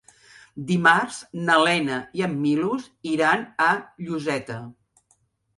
Dimarts na Lena i en Milos iran a Lloseta.